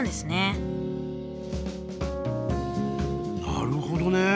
なるほどね。